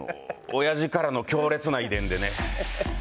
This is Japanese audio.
親父からの強烈な遺伝でね。